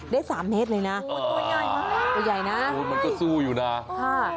ได้สามเมตรเลยนะโอ้ตัวใหญ่เนอะตัวใหญ่นะโอ้ยมันก็สู้อยู่น่ะค่ะ